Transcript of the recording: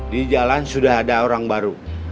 di jalan sudah ada orang baru